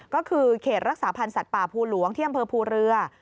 ก็คือเขตรักษาพันธ์สัตว์ป่าภูหลวงที่อำเภอภูเรือ